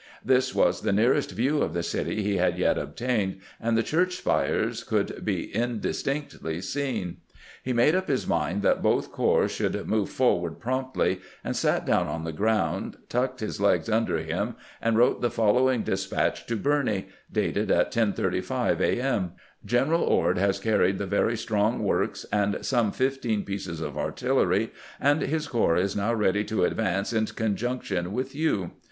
This was the nearest view of the city he had yet obtained, and the church spires could be in distinctly seen. He made up his mind that both corps should move forward promptly, and sat down on the 302 CAMPAIGNING WITH GKANT ground, tucked Ms legs under him, and wrote tlie fol lowing despatch to Birney, dating it 10 : 35 a. m. :" Gen eral Ord has carried the very strong works and some fifteen pieces of artillery, and his corps is now ready to advance in conjunction with you.